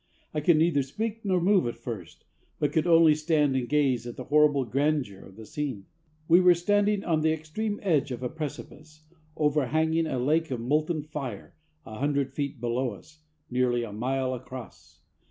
I could neither speak nor move at first, but could only stand and gaze at the horrible grandeur of the scene. We were standing on the extreme edge of a precipice, overhanging a lake of molten fire, a hundred feet below us, nearly a mile across.